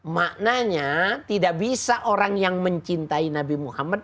maknanya tidak bisa orang yang mencintai nabi muhammad